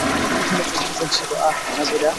ওখানে যুদ্ধ চলছিল আহ, নাজিরা?